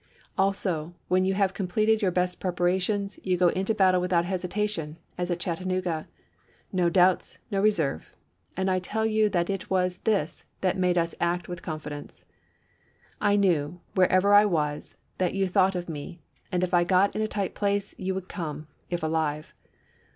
Also, when you have completed your best preparations, you go into battle without hesitation, as at Chattanooga — no doubts, no reserve; and I tell you that it was this that made us act with con fidence. I knew, wherever I was, that you thought of me, and if I got in a tight place you would come, if alive.